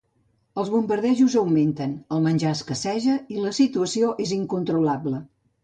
Els bombardejos augmenten, el menjar escasseja i la situació és incontrolable.